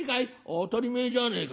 「当たり前じゃねえか。